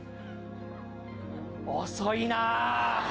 遅いな。